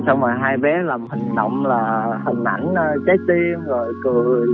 xong rồi hai bé làm hình động là hình ảnh trái tim rồi cười